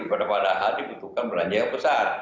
padahal dibutuhkan belanja yang besar